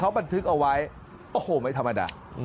บันทึกเอาไว้โอ้โหไม่ธรรมดา